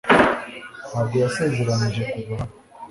Ntabwo yasezeranije kuza hano.